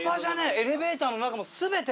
エレベーターの中も全て。